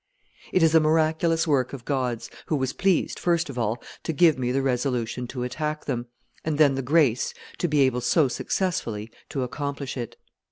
"It is a miraculous work of God's, who was pleased, first of all, to give me the resolution to attack them, and then the grace to be able so successfully to accomplish it.